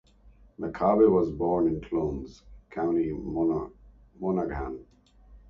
McCabe was born in Clones, County Monaghan.